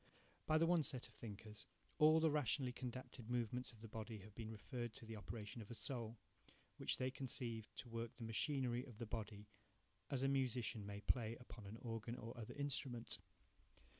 By the one set of thinkers all the rationally condapted movements of the body have been referred to the operation of a soul, which they conceive to work the machinery of the body as a musician may play upon an organ or other instrument.